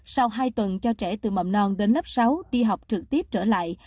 sau hai tuần cho trẻ từ mầm non đến lớp sáu đi học trực tiếp trở lại